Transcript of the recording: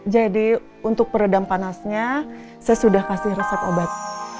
jadi untuk peredam panasnya saya sudah kasih resep obat